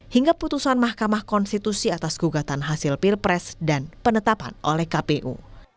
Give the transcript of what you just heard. hingga putusan mahkamah konstitusi atas gugatan hasil pilpres dan penetapan oleh kpu